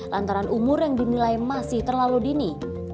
lantaran umur yang dinilai masih terlalu dini